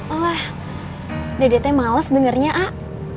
alah dedete males dengernya ah